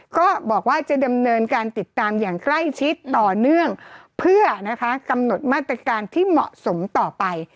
ก็บอกว่าจะดำเนินการติดตามอย่างใกล้ชิดต่อเนื่องเพื่อนะคะกำหนดมาตรการที่เหมาะสมต่อไป